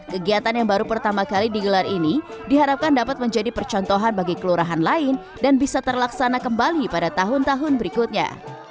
kegiatan yang baru pertama kali digelar ini diharapkan dapat menjadi percontohan bagi kelurahan lain dan bisa terlaksana kembali pada tahun tahun berikutnya